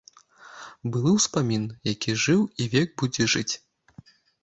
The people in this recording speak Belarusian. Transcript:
Былы ўспамін, які жыў і век будзе жыць.